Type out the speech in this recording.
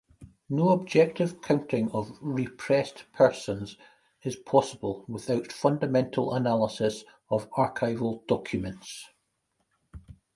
No objective counting of repressed persons is possible without fundamental analysis of archival documents.